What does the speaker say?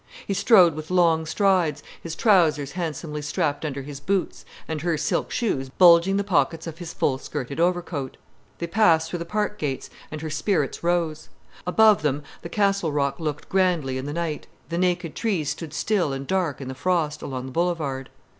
He strode with long strides, his trousers handsomely strapped under his boots, and her silk shoes bulging the pockets of his full skirted overcoat. They passed through the park gates, and her spirits rose. Above them the Castle Rock loomed grandly in the night, the naked trees stood still and dark in the frost, along the boulevard.